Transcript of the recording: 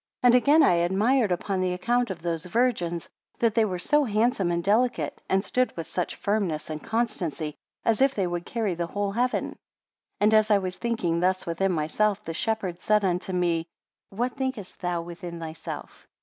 And again I admired upon the account of those virgins, that they were so handsome and delicate; and stood with such firmness and constancy, as if they would carry the whole heaven. 18 And as I was thinking thus within myself, the shepherd said unto me; What thickest thou within thyself?